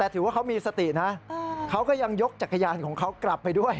แต่ถือว่าเขามีสตินะเขาก็ยังยกจักรยานของเขากลับไปด้วย